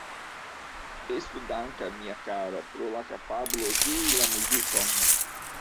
Estu danka, mia kara, pro la kapablo ĝui la muzikon.